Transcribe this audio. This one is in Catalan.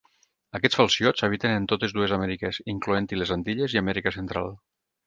Aquests falciots habiten en totes dues Amèriques, incloent-hi les Antilles i Amèrica Central.